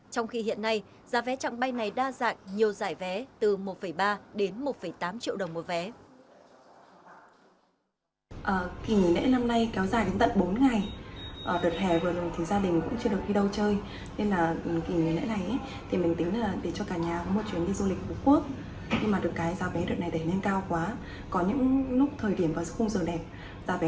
trong khi hiện nay giá vé trạng bay này đa dạng nhiều giải vé từ một ba đến một tám triệu đồng một vé